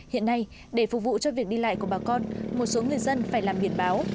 hiện nay để phục vụ cho việc đi lại của bà con một số người dân phải làm biển báo